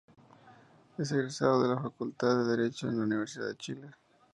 Es egresado de la Facultad de Derecho de la Universidad de Chile.